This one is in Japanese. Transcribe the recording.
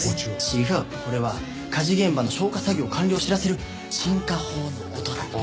違うこれは火事現場の消火作業完了を知らせる鎮火報の音だと。